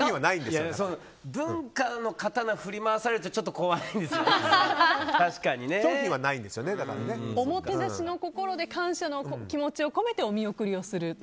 文化の刀を振り回されると怖いですよね、確かにね。おもてなしの心で感謝の気持ちを込めてお見送りをする。